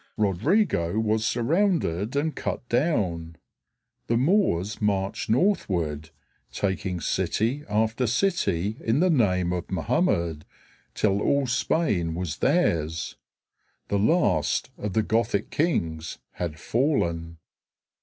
Rodrigo was surrounded and cut down. The Moors marched northward, taking city after city in the name of Mohammed, till all Spain was theirs. The last of the Gothic kings had fallen.